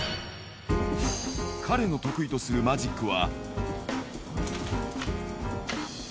彼の得意とするマジックは。